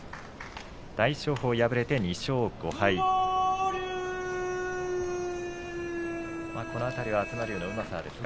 大翔鵬、敗れて２勝５敗です。